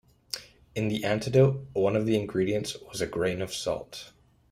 In the antidote, one of the ingredients was a grain of salt.